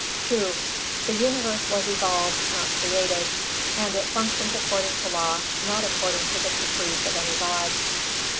II The universe was evolved, not created; and its functions according to law, not according to the caprice of any God.